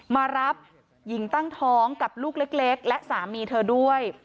มารับหญิงตั้งท้องกับลูกเล็กและสามีเธอด้วย